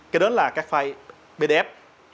cái đó là các file pdf